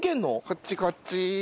こっちこっち。